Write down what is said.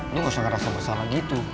dia gak usah ngerasa bersalah gitu